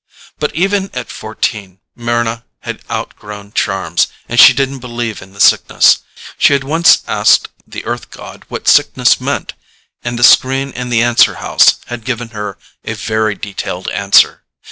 But even at fourteen Mryna had outgrown charms and she didn't believe in the Sickness. She had once asked the Earth god what sickness meant, and the screen in the answer house had given her a very detailed answer.